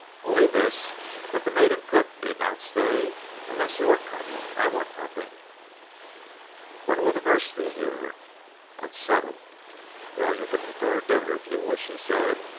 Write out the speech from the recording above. "Only this: that the maid and cook need not stay unless you are coming. I want nothing." "When will the nurse be here?" "At seven." "Well, you can prepare dinner, if you wish," he said.